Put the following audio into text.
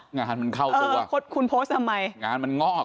งานมันเข้าถูกว่างานมันงอก